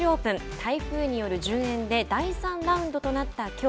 台風による順延で第３ラウンドとなったきょう。